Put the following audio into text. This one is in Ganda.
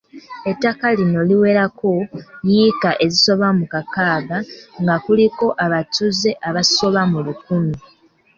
Ettaka lino liwerako yiika ezisoba mu lukaaga nga kuliko abatuuze abasoba mu lukumi.